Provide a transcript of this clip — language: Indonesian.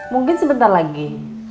mungkin sebentar lagi